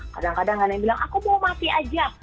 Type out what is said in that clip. kadang kadang ada yang bilang aku mau mati aja